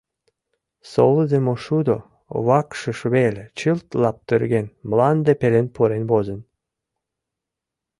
Солыдымо шудо — вакшыш веле, чылт лаптырген, мланде пелен пурен возын.